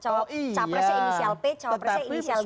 cawapresnya inisial p cawapresnya inisial g